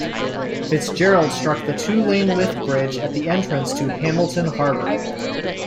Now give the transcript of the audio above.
Fitzgerald struck the two lane lift-bridge at the entrance to Hamilton Harbour.